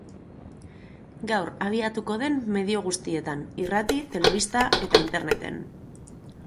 Gaur abiatuko den medio guztietan, irrati, telebista eta interneten.